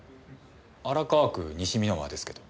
荒川区西三ノ輪ですけど。